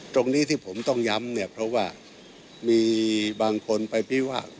ตรงนี้ที่ผมต้องย้ำเนี่ยเพราะว่ามีบางคนไปพิว่า